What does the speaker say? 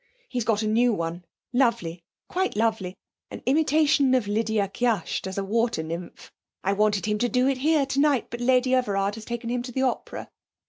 He's got a new one lovely, quite lovely an imitation of Lydia Kyasht as a water nymph. I wanted him to do it here tonight, but Lady Everard has taken him to the opera.